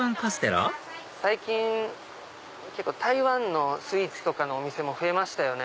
最近台湾のスイーツのお店も増えましたよね。